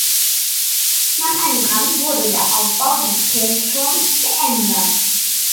Nach einem Brand wurde der Aufbau des Kirchturms geändert.